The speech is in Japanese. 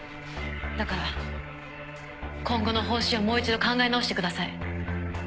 だから今後の方針をもう一度考え直してください。